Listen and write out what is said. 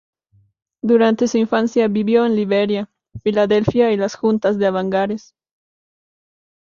Durante su infancia vivió en Liberia, Filadelfia y las Juntas de Abangares.